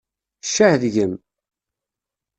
Ccah deg-m!